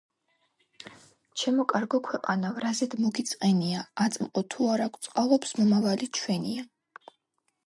ჩემო კარგო ქვეყანავ, რაზედ მოგიწყენია! აწმყო თუ არა გვწყალობს, მომავალი ჩვენია